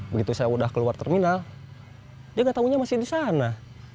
begitu saya udah keluar terminal dia nggak tahunya masih di sana